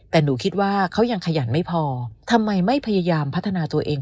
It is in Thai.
แต่หนูคิดว่าเขายังขยันไม่พอทำไมไม่พยายามพัฒนาตัวเอง